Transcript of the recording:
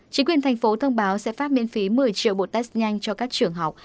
chính quyền thành phố thông báo sẽ phát miễn phí một mươi triệu bộ test nhanh cho các trường học